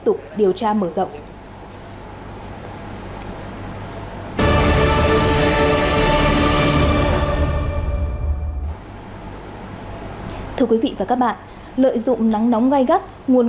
tục điều tra mở rộng ừ ừ ừ ừ ừ ừ ừ thưa quý vị và các bạn lợi dụng nắng nóng gai gắt nguồn